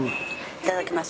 いただきます。